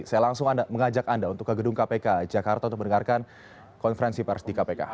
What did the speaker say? saya langsung mengajak anda untuk ke gedung kpk jakarta untuk mendengarkan konferensi pers di kpk